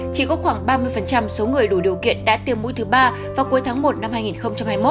chỉ có khoảng ba mươi số người đủ điều kiện đã tiêm mũi thứ ba vào cuối tháng một năm hai nghìn hai mươi một